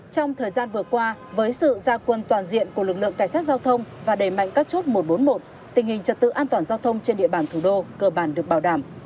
trong thời gian vừa qua với sự gia quân toàn diện của lực lượng cảnh sát giao thông và đề mạnh các chốt một trăm bốn mươi một tình hình trật tự an toàn giao thông trên địa bàn thủ đô cơ bản được bảo đảm